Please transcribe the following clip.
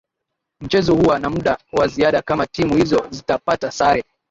mchezo huwa na muda wa ziada kama timu hizo zitapata sare